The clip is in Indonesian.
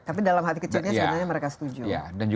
tapi dalam hati kecilnya sebenarnya mereka setuju